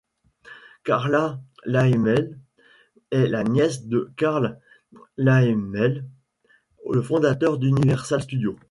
Carla Laemmle est la nièce de Carl Laemmle, le fondateur d'Universal Studios.